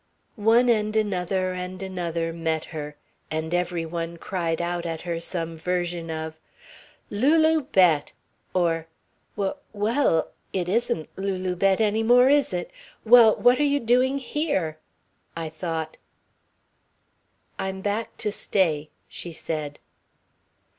One and another and another met her, and every one cried out at her some version of: "Lulu Bett!" Or, "W well, it isn't Lulu Bett any more, is it? Well, what are you doing here? I thought...." "I'm back to stay," she said.